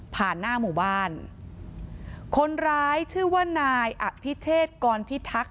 หน้าหมู่บ้านคนร้ายชื่อว่านายอภิเชษกรพิทักษ